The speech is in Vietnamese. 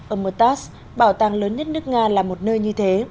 ở mờtas bảo tàng lớn nhất nước nga là một nơi như thế